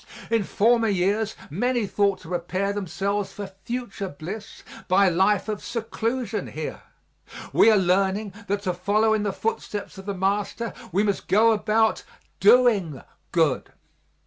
In former years many thought to prepare themselves for future bliss by a life of seclusion here; we are learning that to follow in the footsteps of the Master we must go about doing good.